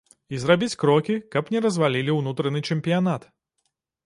І зрабіць крокі, каб не развалілі ўнутраны чэмпіянат.